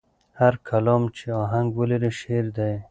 هر کلام چې آهنګ ولري، شعر دی.